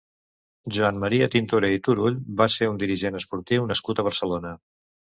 Joan Maria Tintoré i Turull va ser un dirigent esportiu nascut a Barcelona.